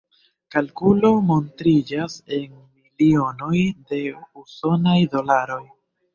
Kalkulo montriĝas en milionoj de usonaj dolaroj.